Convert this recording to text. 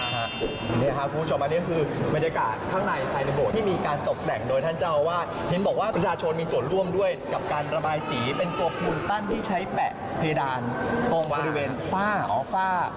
นี่ครับคุณผู้ชมอันนี้คือบรรยากาศข้างในภายในโบสถ์ที่มีการตกแต่งโดยท่านเจ้าอาวาสเห็นบอกว่าประชาชนมีส่วนร่วมด้วยกับการระบายสีเป็นตัวปูนปั้นที่ใช้แปะเพดานตรงบริเวณฝ้าอ๋อฝ้า